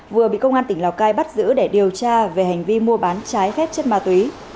vừa bị công an tỉnh lào cai bắt giữ để điều tra về hành vi mua bán trái phép chất ma túy